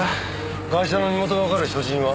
ガイシャの身元がわかる所持品は？